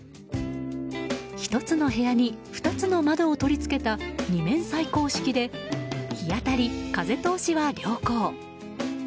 １つの部屋に、２つの窓を取り付けた２面採光式で日当たり・風通しは良好。